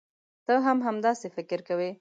ته هم همداسې فکر کوې.